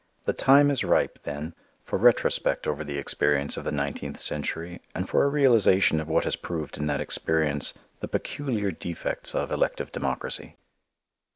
The time is ripe then for retrospect over the experience of the nineteenth century and for a realization of what has proved in that experience the peculiar defects of elective democracy.